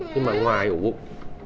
nhưng mà ngoài hồ bụng